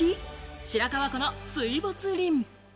白川湖の水没林。